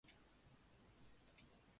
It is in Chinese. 藩厅是尼崎城。